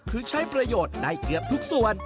คือใช้ประโยชน์ได้เกือบทุกส่วน